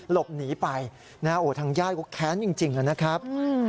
หลบหนีไปทางญาติก็แค้นจริงนะครับ